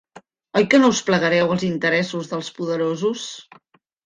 Oi que no us plegareu als interessos dels poderosos?